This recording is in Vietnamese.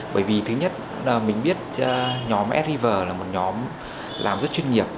bởi vì thứ nhất mình biết nhóm s river là một nhóm làm rất chuyên nghiệp